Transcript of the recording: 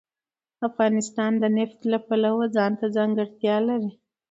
افغانستان د نفت د پلوه ځانته ځانګړتیا لري.